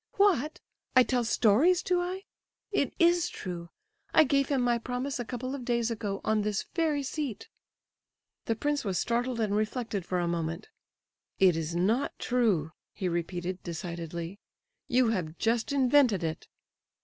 "What! I tell stories, do I? It is true! I gave him my promise a couple of days ago on this very seat." The prince was startled, and reflected for a moment. "It is not true," he repeated, decidedly; "you have just invented it!"